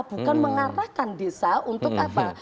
bukan mengarahkan desa untuk apa